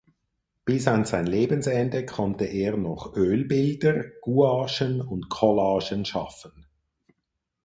Bis an sein Lebensende konnte er noch Ölbilder, Gouachen und Collagen schaffen.